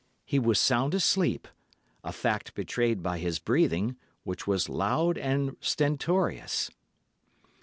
He was sound asleep—a fact betrayed by his breathing, which was loud and stertorious.